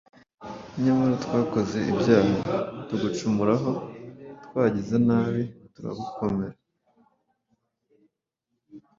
Nyamara twakoze ibyaha tugucumuraho twagize nabi turakugomera,